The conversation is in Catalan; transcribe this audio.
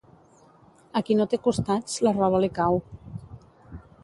A qui no té costats, la roba li cau.